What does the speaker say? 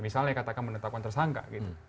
misalnya katakan menetapkan tersangka gitu